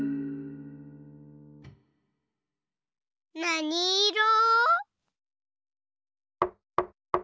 なにいろ？